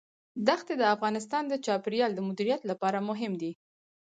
دښتې د افغانستان د چاپیریال د مدیریت لپاره مهم دي.